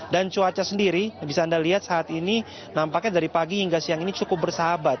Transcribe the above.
dan cuaca sendiri bisa anda lihat saat ini nampaknya dari pagi hingga siang ini cukup bersahabat